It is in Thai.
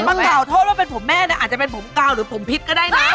มากล่าวโทษว่าเป็นผมแม่เนี่ยอาจจะเป็นผมกาวหรือผมพิษก็ได้นะ